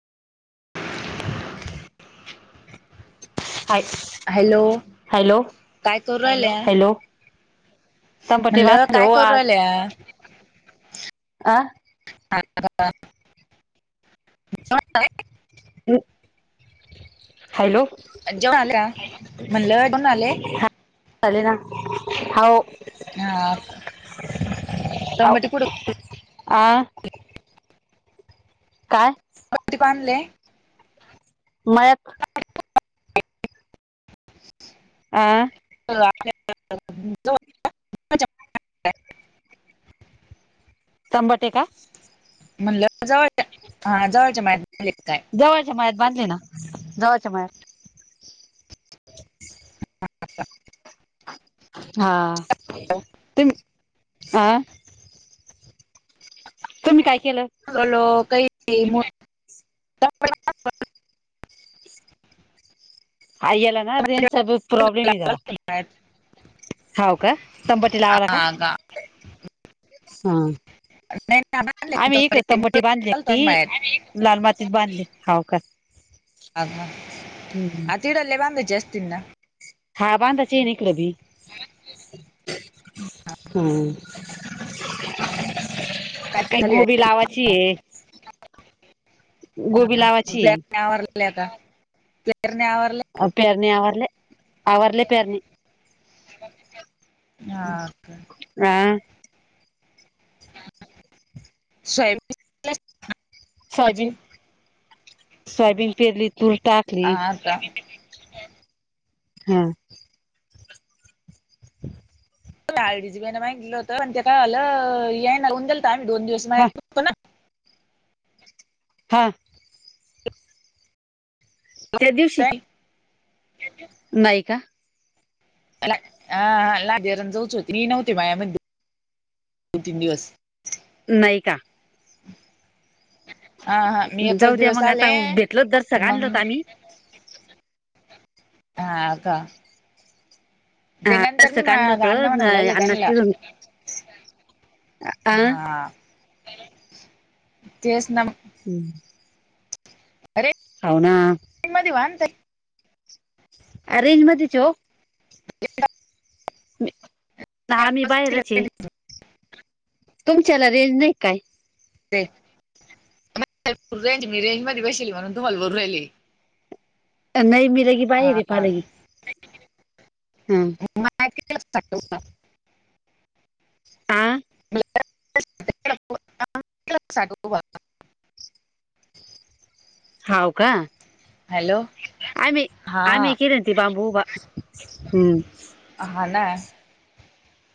[unintelligible] Hello? Hello काय करू राहिल्या? हॅलो तंबटे म्हणलं, बांधले काय हो करू आज राहिल्या? अ [inaudible] हॅलो? जेवण आले का म्हणलं जेवण आले चाले ना, हाव. हा तंबाटी कुठ आ? काय? [unintelligible] आणले मळ्यात आ? [unintelligible] [inaudible] तबांटे का? म्हणलं, जवळच्या हा, जवळच्या [unintelligible] जवळच्या मळ्यात बांधले ना, जवळच्या मळ्यात हा, ते [unintelligible] तुम्ही काय केलं? [unintelligible] [inaudible] हा, य्यला ना, रेंजचा प्रॉबलेमे जरा. होव का, तंबटी लावाला का? [unintelligible] [inaudible] हां. आम्ही एक तंबटी बांधली ती, लाल मातीत बांधले, हाव का? आगवा आ तीडले बांधायचे असतील ना. हा बांंधाचे ना इकड भी. हम काय काही चालू आहे गोबी लावाची आहे. गोबी लावाअ ची आवरले आता [unintelligible] आवरले पेरणी आवरले. आवरले पेरणे [inaudible] हा हं हा... सोयाबीन- सोयाबीन- सोयाबीन पेरली तुरक टाकली. अच्छा.... हा. आयडीजी बी मागितेल होतण पण ते काय झाल यांनी गेल तर आम्ही दोन दिवस हा मळ्यात होतो ना. हा... त्या दिवशी- नाही का- हा लादेरण जाऊच होते. मी नव्हते मल्यामध्ये दोन- तीन दिवस. नाही का? हा हा मी एकच जाऊ द्या दिवस मग आले आता भेटल तस मग आणलोत आम्ही- हा का? हा ते नंतर मी थोडसक आनल होत. मा- अण्णा म्हणायला लागले आण्णा च्या त्यांना तिडुन- अ अं- हा तेच ना म हम्म... हव ना- [unintelligible] रेंज मध्यीच यो ओ- [unintelligible] हा मी बाहेरच ये- तुमच्याला रेंज नाही काय? आहेरेंज मी रेंज मध्ये बसेल म्हणून तुम्हाला बोलू राहिले नाही मी [unintelligible] म मळ्यात किती वाजता [unintelligible] आ.... साडे नऊ वाज हव का? हॅलो आम्ही- हा आम्ही केले ना ते बांबू बाबु हम्म.... हा ना...